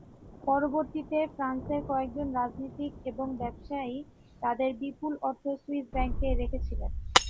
পরবর্তীতে, ফ্রান্সের কয়েকজন রাজনীতিক এবং ব্যবসায়ী তাদের বিপুল অর্থ সুইস ব্যাংকে রেখেছিলেন।